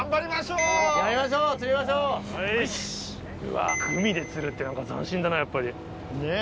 うわグミで釣るって何か斬新だなやっぱり。ねぇ。